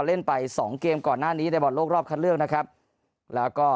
เล่นไปสองเกมก่อนหน้านี้ในบอลโลกรอบคัดเลือกนะครับแล้วก็